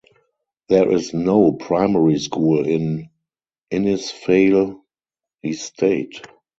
There is no primary school in Innisfail Estate.